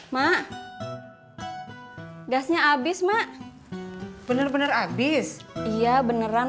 mak gasnya abis mak bener bener abis iya beneran